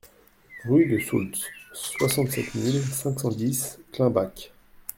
Rue de Soultz, soixante-sept mille cinq cent dix Climbach